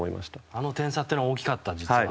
あの点差っていうのは大きかった、実は。